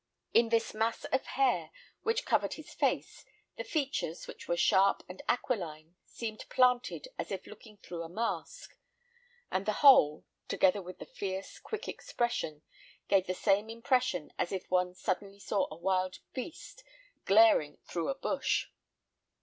In this mass of hair, which covered his face, the features, which were sharp and aquiline, seemed planted as if looking through a mask; and the whole, together with the fierce, quick expression, gave the same impression as if one suddenly saw a wild beast glaring through a bush.